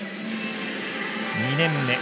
２年目。